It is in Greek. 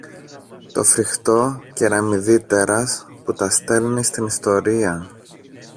το φριχτό κεραμιδί τέρας που τα στέλνει στην ιστορία